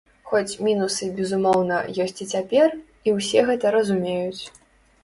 Хоць мінусы, безумоўна, ёсць і цяпер, і ўсе гэта разумеюць.